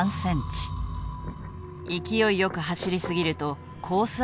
勢いよく走りすぎるとコース